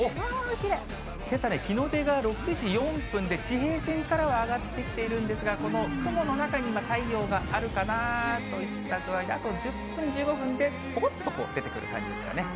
けさ、日の出が６時４分で、地平線からは上がってきてるんですが、この雲の中に太陽があるかなといった具合で、あと１０分、１５分で、ぽこっと出てくる感じですかね。